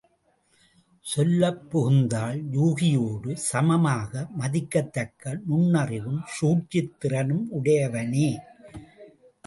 சொல்லப் புகுந்தால், யூகியோடு சமமாக மதிக்கத்தக்க நுண்ணறியும் சூழ்ச்சித் திறனும் உடையவனே!